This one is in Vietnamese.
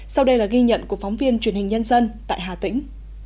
sau đây là ghi nhận của phóng viên truyền hình nhân dân tại hà tĩnh